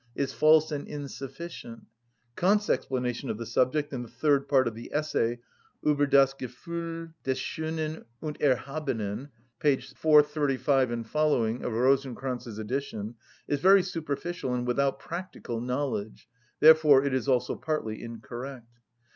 is false and insufficient. Kant's explanation of the subject in the third part of the essay, "Ueber das Gefühl des Schönen und Erhabenen" (p. 435 seq. of Rosenkranz's edition), is very superficial and without practical knowledge, therefore it is also partly incorrect.